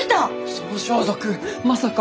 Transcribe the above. その装束まさか。